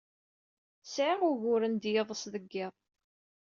Sɛiɣ uguren d yiḍes deg yiḍ.